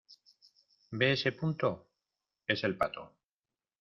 ¿ ve ese punto? es el pato.